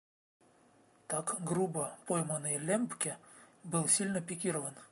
Так грубо пойманный, Лембке был сильно пикирован.